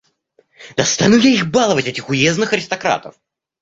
Да, стану я их баловать, этих уездных аристократов!